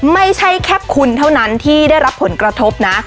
ไม่ใช่แค่คุณเท่านั้นที่ได้รับผลกระทบนะ